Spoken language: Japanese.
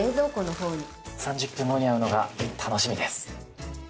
３０分後に合うのが楽しみです。